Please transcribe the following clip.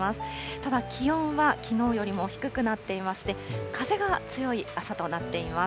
ただ、気温はきのうよりも低くなっていまして、風が強い朝となっています。